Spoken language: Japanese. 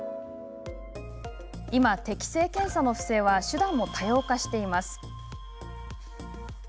今、適正検査の不正は手段も多様化しています。